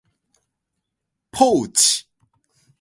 ポーチ、